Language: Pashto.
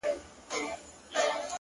ږغ مي بدل سويدی اوس ـ